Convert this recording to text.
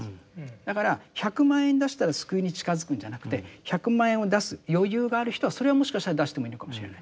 だから１００万円出したら救いに近づくんじゃなくて１００万円を出す余裕がある人はそれはもしかしたら出してもいいのかもしれない。